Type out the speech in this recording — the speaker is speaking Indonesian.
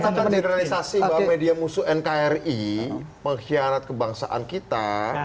tentang generalisasi bahwa media musuh nkri pengkhianat kebangsaan kita